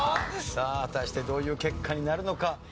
さあ果たしてどういう結果になるのか？